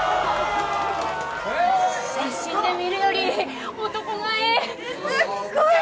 写真で見るより男前すっごい